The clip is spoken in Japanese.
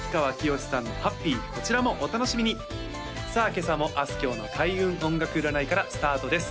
今朝もあすきょうの開運音楽占いからスタートです